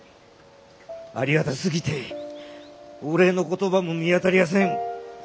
ありがたすぎてお礼の言葉も見当たりやせん。